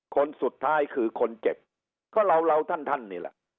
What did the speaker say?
คนสุดท้ายคือคนเจ็บก็เราท่านท่านนี่แหละ